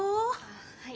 はい。